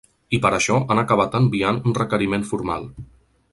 I per això han acabat enviant un requeriment formal.